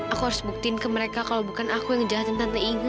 aku harus buktiin ke mereka kalau bukan aku yang ngejelasin tante ini